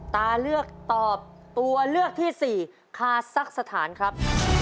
ตาเลือกตอบตัวเลือกที่สี่คาซักสถานครับ